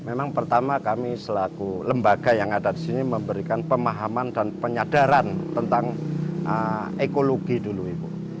memang pertama kami selaku lembaga yang ada di sini memberikan pemahaman dan penyadaran tentang ekologi dulu ibu